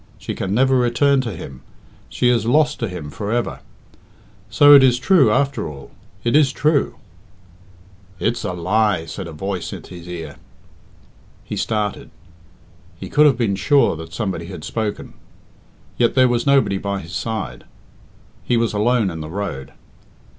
She can never return to him; she is lost to him for ever. So it is true after all it is true." "It is a lie," said a voice at his ear. He started. He could have been sure that somebody had spoken. Yet there was nobody by his side. He was alone in the road.